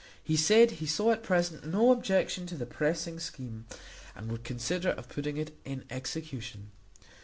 He said, he saw at present no objection to the pressing scheme, and would consider of putting it in execution.